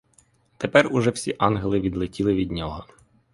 Тепер уже всі ангели відлетіли від нього.